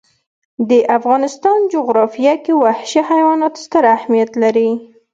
د افغانستان جغرافیه کې وحشي حیوانات ستر اهمیت لري.